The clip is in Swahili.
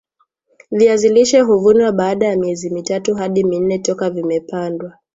viazi lishe huvunwa baada ya miezi mitatu hadi minne toka vimepandwa